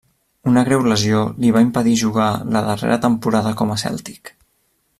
Una greu lesió li va impedir jugar la darrera temporada com a cèltic.